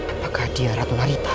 apakah dia ratu larita